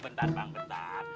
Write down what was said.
bentar bang bentar